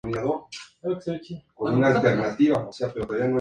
Se le atribuye la autoría de la máxima, "Piensa globalmente, actúa localmente".